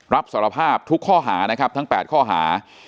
รับสารภาพทุกข้อหานะครับทั้ง๘ข้อหา